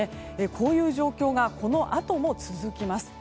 こういう状況がこのあとも続きます。